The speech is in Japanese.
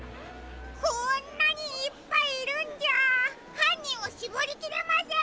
こんなにいっぱいいるんじゃはんにんをしぼりきれません！